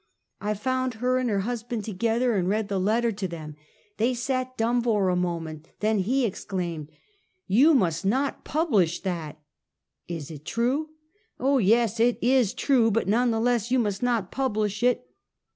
I found her and her husband together, and read the letter to them. They sat dumb for a moment, then he exclaimed: " You must not publish that! " "Is it true?" " Oh, yes! It is true! But none the less you must not publish it!"